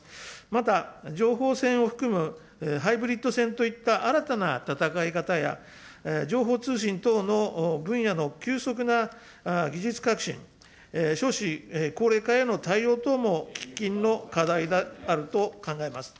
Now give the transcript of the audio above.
また情報戦を含むハイブリッド戦といった新たな戦い方や情報通信等の分野の急速な技術革新、少子高齢化への対応等も喫緊の課題であると考えます。